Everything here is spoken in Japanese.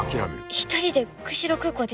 一人で釧路空港ですか？